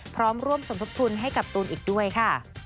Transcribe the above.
พร้อมร่วมสมทบทุนให้กับตูนอีกด้วยค่ะ